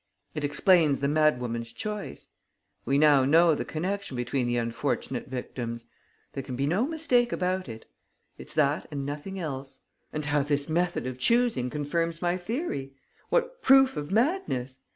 It explains the madwoman's choice. We now know the connection between the unfortunate victims. There can be no mistake about it. It's that and nothing else. And how this method of choosing confirms my theory! What proof of madness!